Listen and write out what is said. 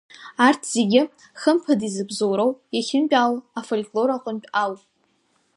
Арҭ зегьы, хымԥада, изыбзоуроу, иахьынтәаауа афольклор аҟынтә ауп.